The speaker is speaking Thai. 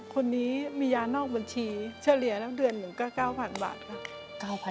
คนนี้มียานอกบัญชีเฉลี่ยแล้วเดือนหนึ่งก็๙๐๐บาทค่ะ